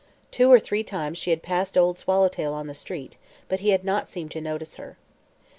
Two or three times she had passed Old Swallowtail on the street, but he had not seemed to notice her.